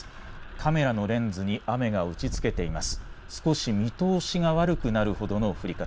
カメラのレンズに雨が打ちつけています。